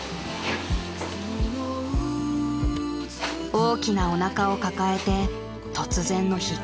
［大きなおなかを抱えて突然の引っ越し作業］